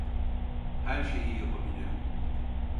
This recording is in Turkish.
Her şeyi yapabilirim.